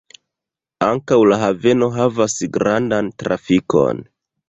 Ankaŭ la haveno havas grandan trafikon.